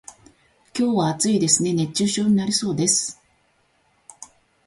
今日は暑いですね、熱中症になりそうです。